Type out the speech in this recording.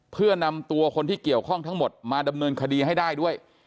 เพื่อนำตัวคนที่เกี่ยวข้องทั้งหมดมาดำเนินคดีให้ได้ด้วย